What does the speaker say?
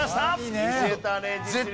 見せたね実力。